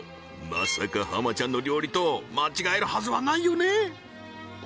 まさか浜ちゃんの料理と間違えるはずはないよね？